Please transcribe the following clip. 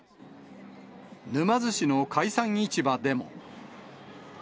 沼津市の海産市場でも。